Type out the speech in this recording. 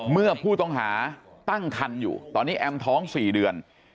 เมื่อผู้ต้องหาตั้งคันอยู่ตอนนี้แอมท้อง๔เดือน